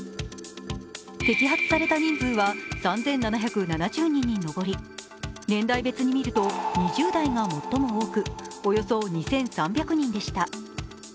摘発された人数は３７７０人に上り、年代別に見ると２０代が最も多くおよそ２３００人でした。